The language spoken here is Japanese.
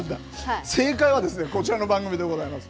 正解はですね、こちらの番組でございます。